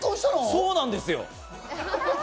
そうなんですよ。